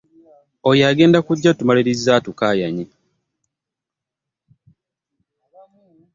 Oyo agenda kujja tumaliriza atukaayanye.